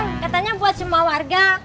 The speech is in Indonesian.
gimana nih bang katanya buat semua warga